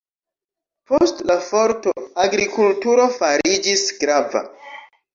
Post la torfo agrikulturo fariĝis grava.